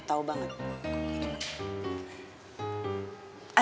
mau tau banget